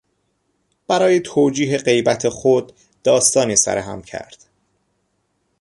برای توجیه غیبت خود داستانی سرهم کرد.